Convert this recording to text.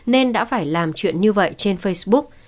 nên đã phải làm chuyện như vậy trên facebook